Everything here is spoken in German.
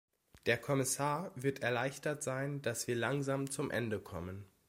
Der Kommissar wird erleichtert sein, dass wir langsam zum Ende kommen.